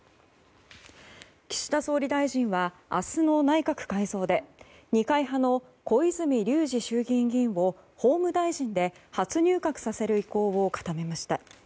岸田総理大臣は明日の内閣改造で二階派の小泉龍司衆議院議員を法務大臣で初入閣させる意向を固めました。